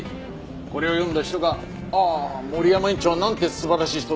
これを読んだ人がああ森山院長はなんて素晴らしい人だ。